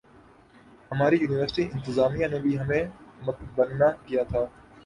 ہماری یونیورسٹی انتظامیہ نے بھی ہمیں متبنہ کیا تھا